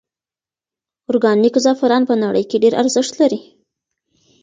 ارګانیک زعفران په نړۍ کې ډېر ارزښت لري.